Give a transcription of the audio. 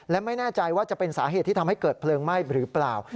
และไม่แน่ใจว่าจะเป็นสาเหตุที่ทำให้เกิดเพลิงไหม้หรือเปล่า